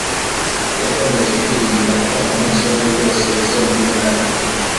Yakomeje kwibwira ko umunsi umwe byose bizumvikana.